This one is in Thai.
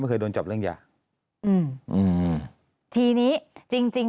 แต่ได้ยินจากคนอื่นแต่ได้ยินจากคนอื่น